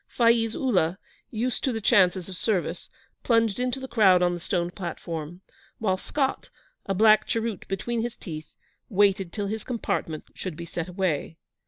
Faiz Ullah, used to the chances of service, plunged into the crowd on the stone platform, while Scott, a black cheroot between his teeth, waited till his compartment should be set away.